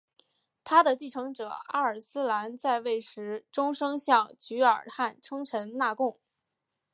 他的继承者阿尔斯兰在位时终生向菊儿汗称臣纳贡。